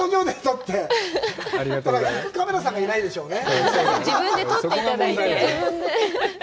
ただ、行くカメラさんがいないでしょうね。